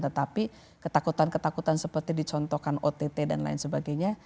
tetapi ketakutan ketakutan seperti dicontohkan ott dan lain sebagainya